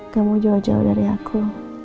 kamu jauh jauh dari aku